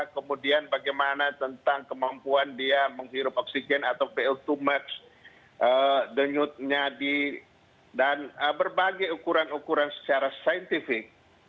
kemudian bagaimana tentang kemampuan dia menghirup oksigen atau po dua match denyutnya dan berbagai ukuran ukuran secara saintifik